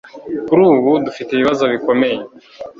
kuri ubu, dufite ibibazo bikomeye